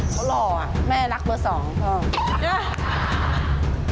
เขาหล่อแม่รักเบอร์สองพ่อ